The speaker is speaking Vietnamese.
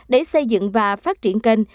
để xây dựng và phát triển kênh